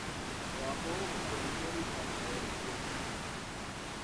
Trabajó como granjero y trabajador forestal.